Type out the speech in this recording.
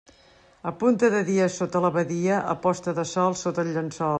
A punta de dia sota l'abadia, a posta de sol sota el llençol.